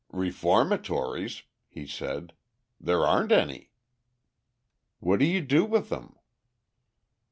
"Reformatories!" he said, "there aren't any." "What do you do with them?"